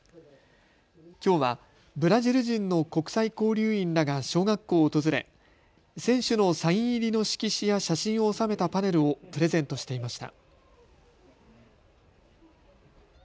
きょうはブラジル人の国際交流員らが小学校を訪れ選手のサイン入りの色紙や写真を収めたパネルをプレゼントしていました。